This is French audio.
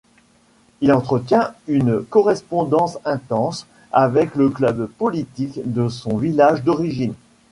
Il entretient une correspondance intense avec le club politique de son village d’origine.